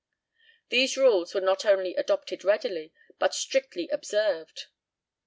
These rules were not only adopted readily, but strictly observed.